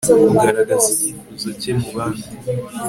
kugaragaza icyifuzo cye mubandi